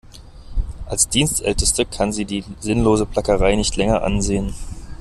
Als Dienstälteste kann sie die sinnlose Plackerei nicht länger ansehen.